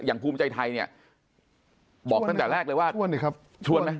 อย่างภูมิใจไทยบอกตั้งแต่แรกเลยว่าชวนไหม